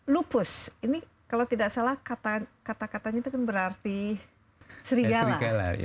lupus ini kalau tidak salah kata katanya itu kan berarti serigala